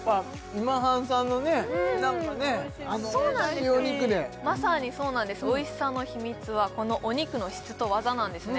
今半さんのねなんかねあのおいしいお肉でまさにそうなんですおいしさの秘密はこのお肉の質と技なんですね